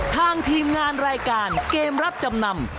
ทีมงานรายการเกมรับจำนำ